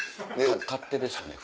勝手ですね